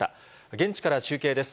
現地から中継です。